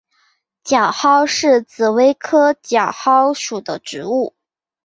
角蒿是紫葳科角蒿属的植物。